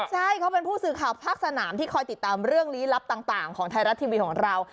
ใช่เขาเป็นผู้สื่อข่าวภาคสนามที่คอยติดตามเรื่องลี้ลับต่างของไทยรัฐทีวีของเรา